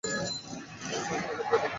সব টাকা দিয়ে দাও!